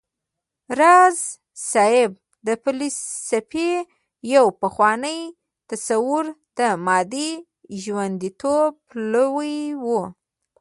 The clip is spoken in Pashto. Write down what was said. راز صيب د فلسفې د يو پخواني تصور د مادې ژونديتوب پلوی و